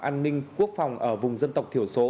an ninh quốc phòng ở vùng dân tộc thiểu số